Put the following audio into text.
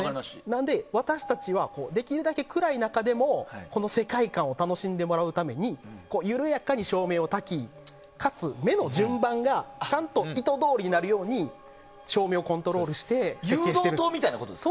なので、私たちはできるだけ暗い中でもこの世界観を楽しんでもらうために緩やかに照明をたいてなおかつ目の順番がちゃんと意図どおりになるように照明をコントロールしてるんです。